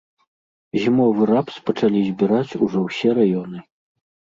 Зімовы рапс пачалі збіраць ужо ўсе раёны.